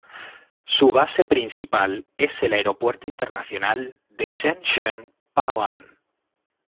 Su base principal es el Aeropuerto Internacional de Shenzhen-Bao'an.